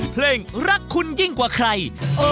เพลงรักคุณยิ่งกว่าใคร